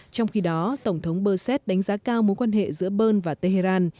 trong khi đó tổng thống berset đánh giá cao mối quan hệ giữa bern và tehran